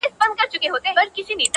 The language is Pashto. • له خپل پلاره دي وانه خيستل پندونه -